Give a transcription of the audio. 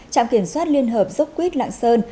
trạm kiểm soát liên hợp dốc quýt lạng sơn